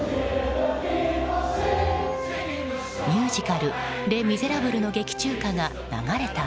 ミュージカル「レ・ミゼラブル」の劇中歌が流れた